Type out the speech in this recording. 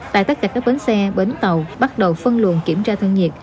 tại tất cả các bến xe bến tàu bắt đầu phân luồn kiểm tra thương nhiệt